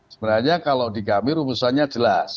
sebenarnya kalau di kami rumusannya jelas